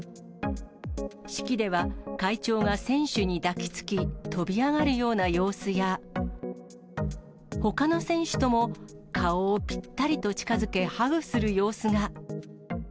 式では会長が選手に抱きつき飛び上がるような様子や、ほかの選手とも顔をぴったりと近づけハグする様子が。